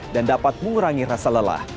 dapat mengurangi rasa lelah